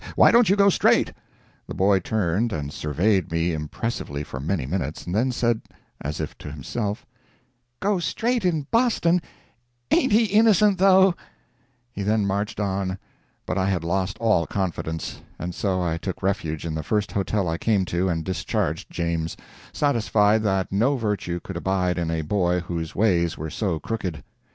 Why don't you go straight?" The boy turned and surveyed me impressively for many minutes, and then said, as if to himself: "Go straight in Boston—ain't he innocent, though?" He then marched on. But I had lost all confidence, and so I took refuge in the first hotel I came to and discharged James, satisfied that no virtue could abide in a boy whose ways were so crooked.